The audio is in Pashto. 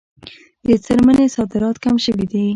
د څرمنې صادرات کم شوي دي